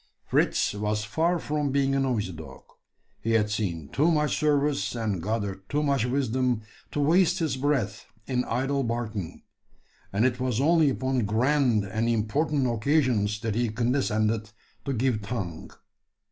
Fritz was far from being a noisy dog. He had seen too much service, and gathered too much wisdom, to waste his breath in idle barking; and it was only upon grand and important occasions that he condescended to give tongue.